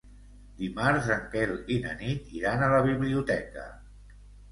Dimarts en Quel i na Nit iran a la biblioteca.